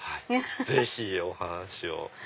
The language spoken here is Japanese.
ぜひお話を。